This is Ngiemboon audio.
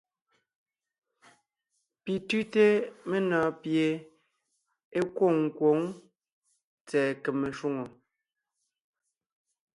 Pi tʉ́te menɔɔn pie é kwôŋ kwǒŋ tsɛ̀ɛ kème shwòŋo.